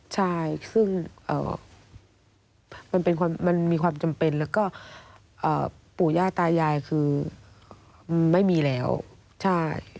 ใช่ซึ่งมันมีความจำเป็นแล้วก็ปู่ย่าตายายคือไม่มีแล้วใช่